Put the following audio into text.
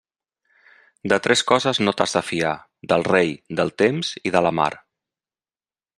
De tres coses no t'has de fiar: del rei, del temps i de la mar.